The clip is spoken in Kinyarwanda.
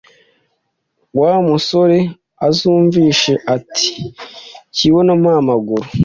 wamusore azumvishe ati"kibunopamagaru"